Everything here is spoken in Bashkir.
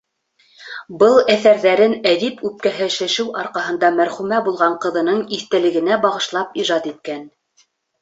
Был әҫәрҙәрен әҙип үпкәһе шешеү арҡаһында мәрхүмә булған ҡыҙының иҫтәлегенә бағышлап ижад иткән.